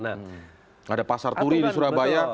tidak ada pasar turi di surabaya